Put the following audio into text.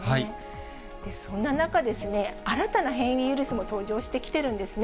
そんな中、新たな変異ウイルスも登場してきているんですね。